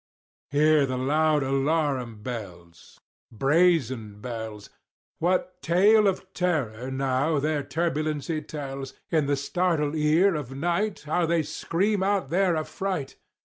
III. Hear the loud alarum bells— Brazen bells! What a tale of terror now their turbulency tells! In the startled ear of night How they scream out their affright!